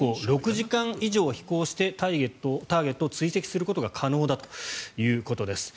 ６時間以上飛行してターゲットを追跡することが可能だということです。